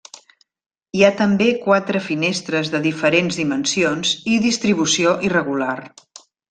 Hi ha també quatre finestres de diferents dimensions i distribució irregular.